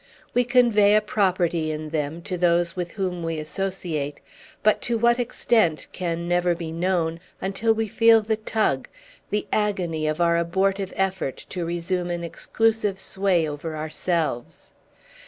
We convey a property in them to those with whom we associate; but to what extent can never be known, until we feel the tug, the agony, of our abortive effort to resume an exclusive sway over ourselves.